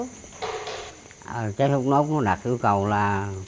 trái thốt nốt nó đặt yêu cầu là